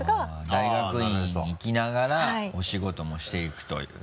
大学院に行きながらお仕事もしていくという。